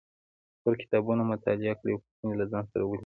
خپل کتابونه مطالعه کړئ او پوښتنې له ځان سره ولیکئ